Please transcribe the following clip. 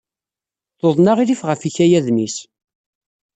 Tuḍen aɣilif ɣef yikayaden-is.